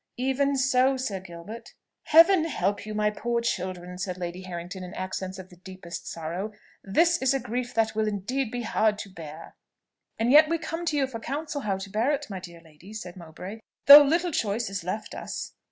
"Even so, Sir Gilbert." "Heaven help you, my poor children!" said Lady Harrington in accents of the deepest sorrow; "this is a grief that it will indeed be hard to bear!" "And we come to you for counsel how to bear it, my dear lady," said Mowbray, "though little choice is left us.